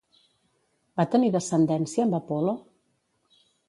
Va tenir descendència amb Apol·lo?